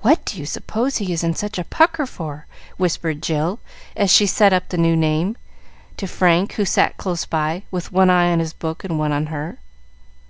"What do you suppose he is in such a pucker for?" whispered Jill, as she set up the new name, to Frank, who sat close by, with one eye on his book and one on her.